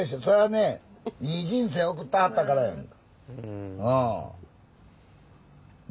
それはねいい人生送ったはったからやねん。